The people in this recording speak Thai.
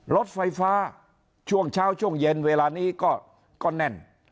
รถไฟฟ้าช่วงเช้าช่วงเย็นเวลานี้ก็แน่น